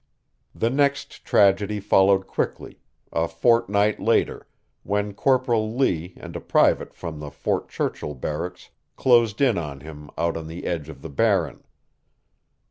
The next tragedy followed quickly a fortnight later, when Corporal Lee and a private from the Fort Churchill barracks closed in on him out on the edge of the Barren.